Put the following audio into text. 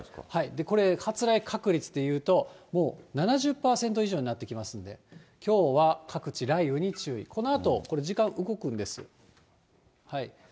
これ、発雷確率で言うと、もう７０％以上になってきますので、きょうは各地、雷雨に注意、このあとこれ時間動くんです。